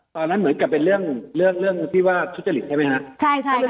เหมือนกับเป็นเรื่องเรื่องที่ว่าทุจริตใช่ไหมฮะใช่ใช่ค่ะ